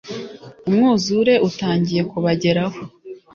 umwuzure utangiye kubageraho